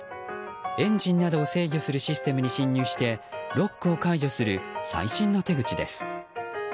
エンジンなどを制御するシステムに侵入してロックを解除する最新の手口です。